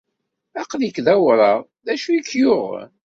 Aql-ik d awraɣ. D acu ay k-yuɣen?